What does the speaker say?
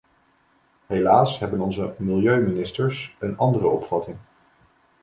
Helaas hebben onze milieuministers een andere opvatting.